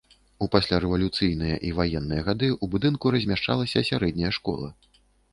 У паслярэвалюцыйныя і ваенныя гады ў будынку размяшчалася сярэдняя школа.